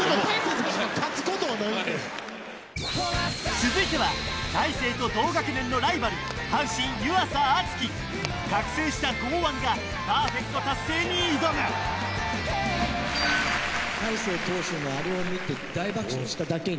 続いては大勢と同学年のライバル覚醒した剛腕がパーフェクト達成に挑む大勢投手のあれを見て大爆笑しただけに。